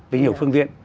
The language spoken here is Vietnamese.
với nhiều phương tiện